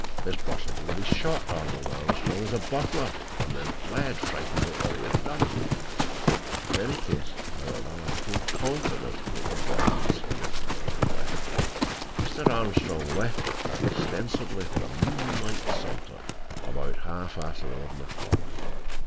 It is possible that he shot Arnold Armstrong as a burglar and then fled, frightened at what he had done. In any case, however, I feel confident that the body was here when he left. Mr. Armstrong left the club ostensibly for a moonlight saunter, about half after eleven o'clock.